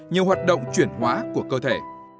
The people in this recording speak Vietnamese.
nhiều hoạt động chuyển hóa của cơ thể